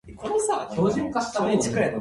Ayahku pergi joging setiap pagi.